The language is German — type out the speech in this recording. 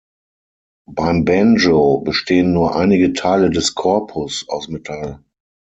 Beim Banjo bestehen nur einige Teile des Korpus aus Metall.